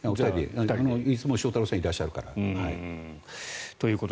いつも翔太郎さんいらっしゃるから。